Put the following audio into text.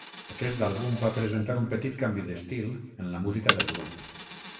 Aquest àlbum va presentar un petit canvi d'estil en la música del grup.